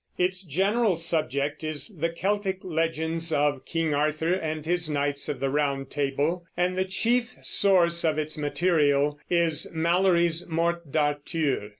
Its general subject is the Celtic legends of King Arthur and his knights of the Round Table, and the chief source of its material is Malory's Morte d'Arthur.